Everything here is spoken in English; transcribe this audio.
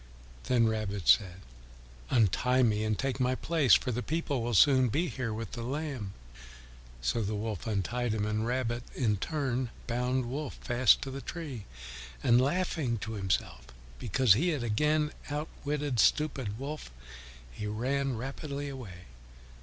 Then Rabbit said, "Untie me and take my place, for the people will soon be here with the lamb." So Wolf untied him, and Rabbit in turn bound Wolf fast to the tree, and laughing to himself because he had again outwitted stupid Wolf, he ran rapidly away.